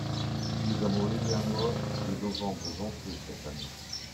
Nous avons eu un mois de novembre venteux cette année.